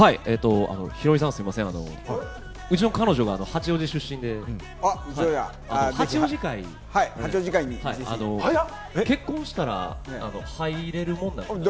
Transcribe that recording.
ヒロミさん、すみません、うちの彼女が八王子出身で、八王子会に結婚したら入れるものですか？